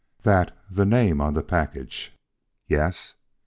That the name on the package?" "Yes."